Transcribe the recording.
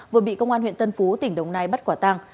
vừa bị công an huyện tân phú tỉnh đồng nai bắt quả tăng